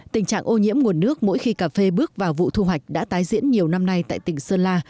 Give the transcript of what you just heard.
tình trạng ô nhiễm nguồn nước mỗi khi cà phê bước vào vụ thu hoạch đã tái diễn nhiều năm nay tại tỉnh sơn la